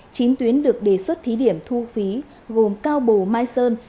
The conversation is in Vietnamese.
chín tuyến được đề xuất thí điểm thu phí gồm cao bồ mai sơn